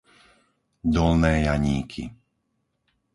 Dolné Janíky